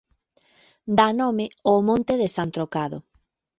Dá nome ó monte de San Trocado.